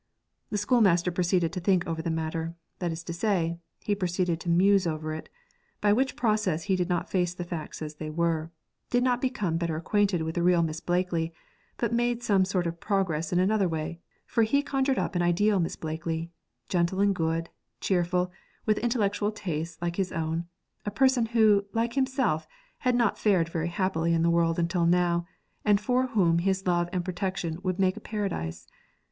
The schoolmaster proceeded to think over the matter that is to say, he proceeded to muse over it; by which process he did not face the facts as they were did not become better acquainted with the real Miss Blakely, but made some sort of progress in another way, for he conjured up an ideal Miss Blakely, gentle and good, cheerful, with intellectual tastes like his own, a person who, like himself, had not fared very happily in the world until now, and for whom his love and protection would make a paradise.